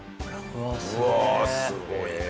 うわあすごいね。